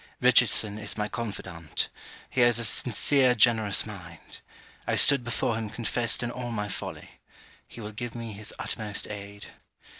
Richardson is my confidant. He has a sincere generous mind. I stood before him confessed in all my folly. He will give me his utmost aid.